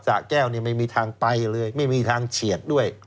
สะแก้วไม่มีทางไปเลยไม่มีทางเฉียดด้วย